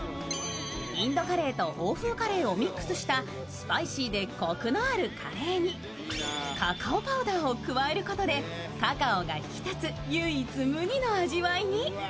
インドカレーと欧風カレーをミックスしたスパイシーでコクのあるカレーにカカオパウダーを加えることでカカオが引き立つ唯一無二の味わいに。